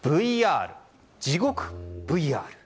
地獄ＶＲ。